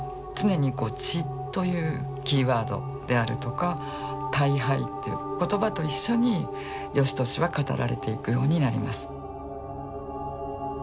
常にこう血というキーワードであるとか退廃っていう言葉と一緒に芳年は語られていくようになります。